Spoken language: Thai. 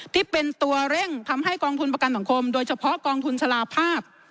ที่เป็นตัวเร่งทำให้กองทุนประกันสังคมโดยเฉพาะกองทุนสลาภาพ